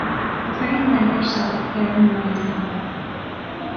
Cuir an leabhar seo ar an mbord, a Mháire